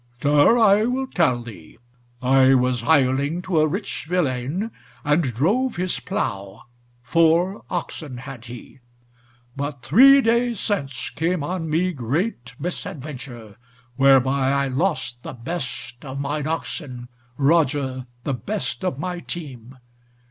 "Sir, I will tell thee. I was hireling to a rich vilain, and drove his plough; four oxen had he. But three days since came on me great misadventure, whereby I lost the best of mine oxen, Roger, the best of my team.